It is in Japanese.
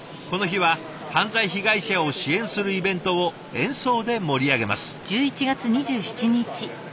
この日は犯罪被害者を支援するイベントを演奏で盛り上げます。